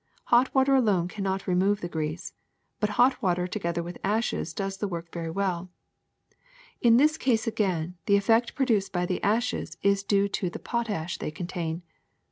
Hot water alone can not remove the grease, but hot water together with ashes does the work very well. In this case again the effect produced by the ashes is due to the potash 96 THE SECRET OF EVERYDAY THINGS they contain.